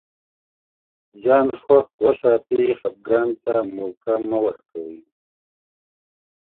ځان خوښ وساتئ خفګان ته موقع مه ورکوی